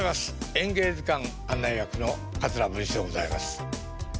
「演芸図鑑」案内役の桂文枝でございます。